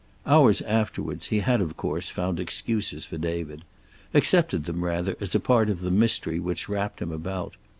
Hours afterwards he had, of course, found excuses for David. Accepted them, rather, as a part of the mystery which wrapped him about.